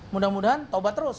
mudah mudahan taubah terus